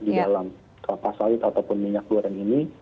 di dalam kelapa sawit ataupun minyak goreng ini